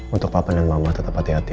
untuk papan dan mama tetap hati hati